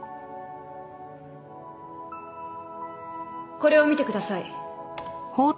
これを見てください。